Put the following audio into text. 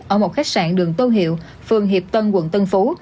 ở một khách sạn đường tô hiệu phường hiệp tân quận tân phú